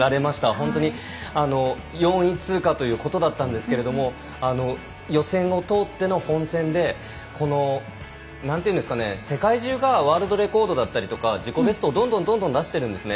本当に４位通過ということだったんですけど予選をとおっての本選で世界中がワールドレコードだったりとか自己ベストをどんどん出しているんですね。